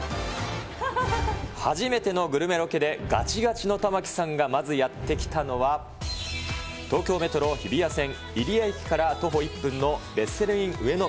初めてのグルメロケでがちがちの玉城さんがまずやって来たのは、東京メトロ日比谷線入谷駅から徒歩１分のベッセルイン上野